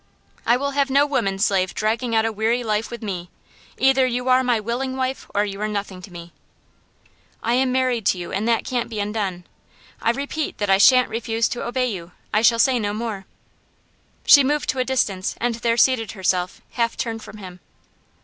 'I will have no woman slave dragging out a weary life with me. Either you are my willing wife, or you are nothing to me.' 'I am married to you, and that can't be undone. I repeat that I shan't refuse to obey you. I shall say no more.' She moved to a distance, and there seated herself, half turned from him.